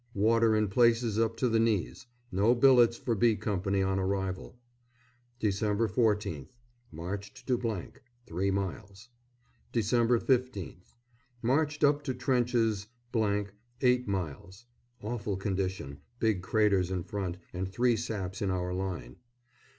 Water in places up to the knees. No billets for B Co. on arrival. Dec. 14th. Marched to , three miles. Dec. 15th. Marched up to trenches, , eight miles. Awful condition. Big craters in front, and three saps in our line.